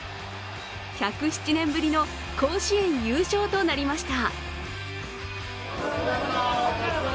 １０７年ぶりの甲子園優勝となりました。